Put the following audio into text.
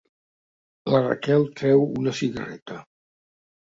La Raquel treu una cigarreta.